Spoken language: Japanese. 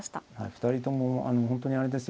２人とも本当にあれですよ